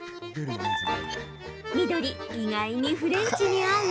緑・意外にフレンチに合う？